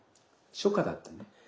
初夏だったね。